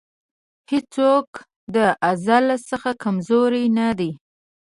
هېڅوک د ازل څخه کمزوری نه دی.